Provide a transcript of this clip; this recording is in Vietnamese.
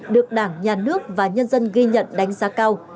được đảng nhà nước và nhân dân ghi nhận đánh giá cao